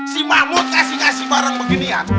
si mahmud kasih ngasih barang beginian